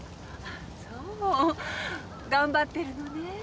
そう。頑張ってるのね。